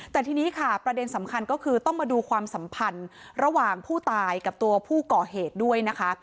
แต่ทีนี้ค่ะประเด็นสำคัญก็คือต้องมาดูความสัมพันธ์ระหว่างผู้ตายกับตัวผู้ก่อเหตุด้วยนะคะ